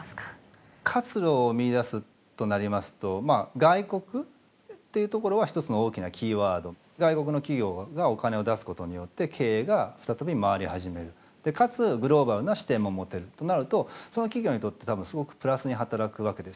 活路を見いだすとなりますと外国の企業がお金を出すことによって経営が再び回り始めるかつグローバルな視点も持てるとなるとその企業にとって多分すごくプラスに働くわけですよね。